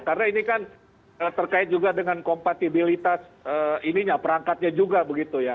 karena ini kan terkait juga dengan kompatibilitas ininya perangkatnya juga begitu ya